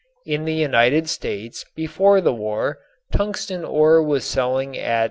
In the United States before the war tungsten ore was selling at $6.